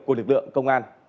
của lực lượng công an